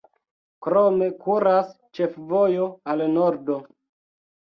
Krome kuras ĉefvojo al nordo.